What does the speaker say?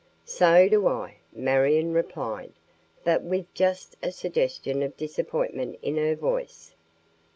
"So do I," Marion replied, but with just a suggestion of disappointment in her voice.